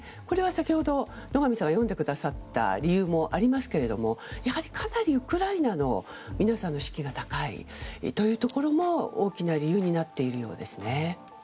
これは、先ほど野上さんが読んでくださった理由もありますけどもかなりウクライナの皆さんの士気が高いところも大きな理由になっているようですね。